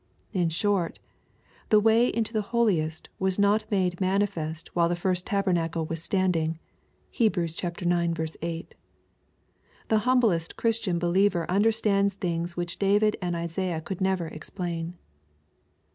In short, " the way into the holiest was not made manifest, while the first tabernacle was standing." (Heb. ix. 8.) The humblest Christian believer understands things which David and Isaiah could never explain.